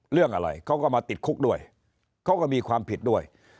เรื่องอะไรเขาก็มาติดคุกด้วยเขาก็มีความผิดด้วย